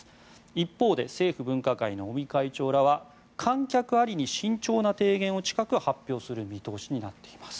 一方で政府分科会の尾身会長らは観客ありに慎重な提言を近く発表する見通しになっています。